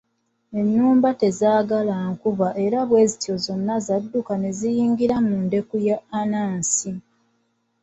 Ennumba tezaagala nkuba era bwe zityo zonna zadduka ne ziyingira mu ndeku ya Anansi.